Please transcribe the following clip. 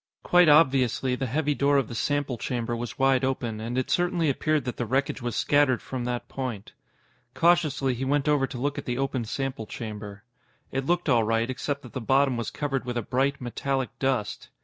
Quite obviously, the heavy door of the sample chamber was wide open, and it certainly appeared that the wreckage was scattered from that point. Cautiously, he went over to look at the open sample chamber. It looked all right, except that the bottom was covered with a bright, metallic dust.